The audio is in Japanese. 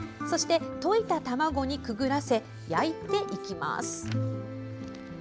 そして、溶いた卵にくぐらせ焼いていきます。